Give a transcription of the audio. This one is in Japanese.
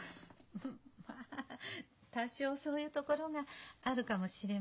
まあ多少そういうところがあるかもしれませんわねえ。